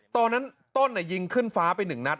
ตอนนั้นต้นหญิงขึ้นฟ้าไปหนึ่งนัด